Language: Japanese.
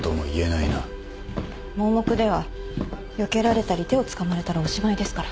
盲目ではよけられたり手をつかまれたらおしまいですから。